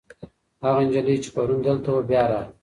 هغه نجلۍ چې پرون دلته وه، بیا راغله.